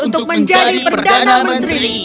untuk menjadi perdana menteri